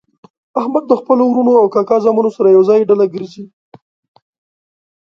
احمد د خپلو ورڼو او کاکا زامنو سره ېوځای ډله ګرځي.